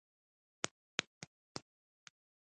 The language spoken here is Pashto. دوی په پای کې د کابینې په کشوګانو موافقه کړې وه